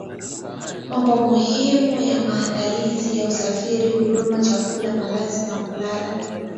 Mambo muhimu ya maandalizi ya usafiri huduma za chakula malazi au kulala